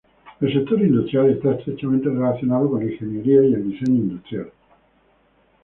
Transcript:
El sector industrial está estrechamente relacionado con la ingeniería y el diseño industrial.